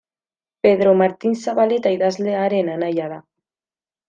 Pedro Martin Zabaleta idazlearen anaia da.